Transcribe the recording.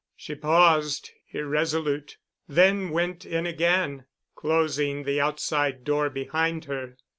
She paused, irresolute, then went in again, closing the outside door behind her.